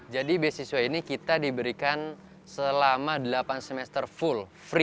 jadi beasiswa ini kita diberikan selama delapan semester full